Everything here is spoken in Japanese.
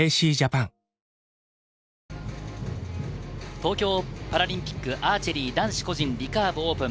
東京パラリンピック・アーチェリー男子個人リカーブオープン。